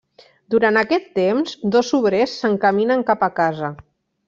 Durant aquest temps, dos obrers s'encaminen cap a casa.